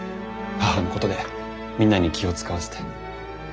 母のことでみんなに気を遣わせて。